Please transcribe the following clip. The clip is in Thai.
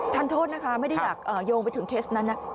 ท่านโทษนะคะไม่ได้อยากโยงไปถึงเคสนั้นนะ